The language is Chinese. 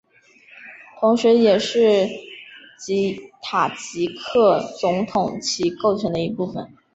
同时也是塔吉克总统旗构成的一部分